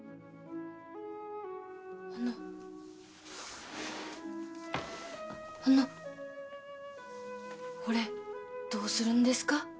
あのあのほれどうするんですか？